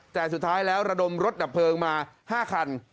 แต่สุดท้ายแล้วระดมรถดับเพลิงมา๕คัน